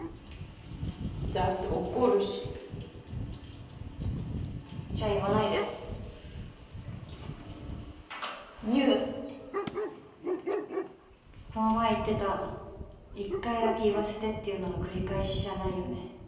だって怒るしじゃあ言わないで言うこの前言ってた一回だけ言わせてっていうのの繰り返しじゃないよね？